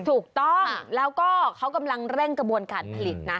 ถูกต้องแล้วก็เขากำลังเร่งกระบวนการผลิตนะ